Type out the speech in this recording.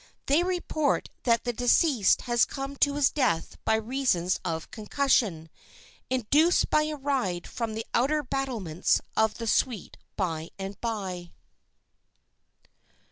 They report that the deceased had come to his death by reasons of concussion, induced by a ride from the outer battlements of the sweet by and by.